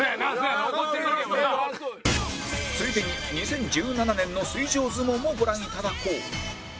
ついでに２０１７年の水上相撲もご覧いただこう